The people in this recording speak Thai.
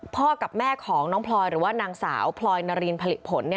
พ่อกับแม่หรือว่านางสาวพลอยนรีนพลิตผล